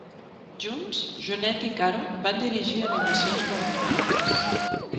Junts, Jeunet i Caro van dirigir animacions guardonades.